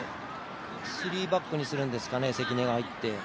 スリーバックにするんですかね、関根が入って。